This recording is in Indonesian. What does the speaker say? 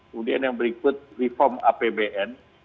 kemudian yang berikut reform apbn